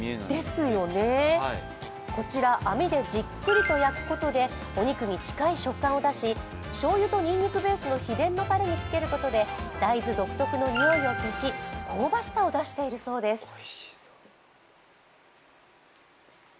ですよね、こちら網でじっくりと焼くことでお肉に近い食感を出し、醤油とニンニクベースの秘伝のタレにつけることで大豆独特の臭いを消し香ばしさを出しているそうです。